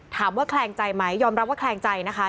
ถามว่าแครงใจไหมยอมรับว่าแครงใจนะคะ